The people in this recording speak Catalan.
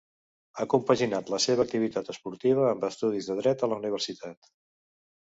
Ha compaginat la seva activitat esportiva amb estudis de dret a la universitat.